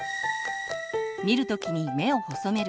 見る時に目を細める。